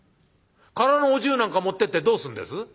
「空のお重なんか持ってってどうすんです？」。